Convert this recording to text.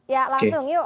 ya langsung yuk